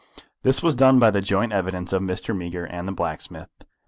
This was done by the joint evidence of Mr. Meager and of the blacksmith.